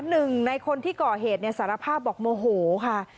๑ในคนที่ก่อเหตุเนี่ยสารภาพบอกโมโหค่ะ